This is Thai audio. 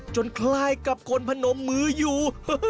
คล้ายกับคนพนมมืออยู่